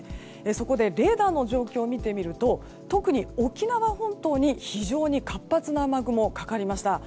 そこでレーダーの状況を見てみると特に沖縄本島に非常に活発な雨雲がかかりました。